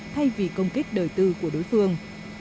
thay vì công kích đời tư của đối phương